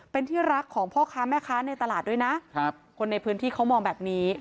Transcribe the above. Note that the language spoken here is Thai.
เป็นที่รักของพ่อค้าแม่ค้าในตลาดด้วยนะคนในพื้นที่เขามองแบบนี้